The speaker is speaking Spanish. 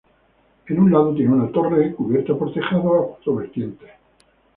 En un lado tiene una torre, cubierta por tejado a cuatro vertientes.